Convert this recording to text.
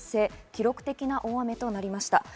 記録的な大雨となりました。